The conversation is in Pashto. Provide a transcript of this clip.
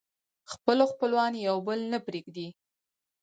خپل خپلوان يو بل نه پرېږدي